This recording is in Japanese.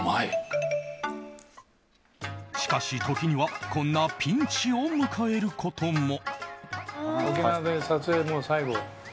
しかし時にはこんなピンチを迎えることも。